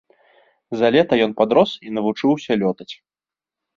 За лета ён падрос і навучыўся лётаць.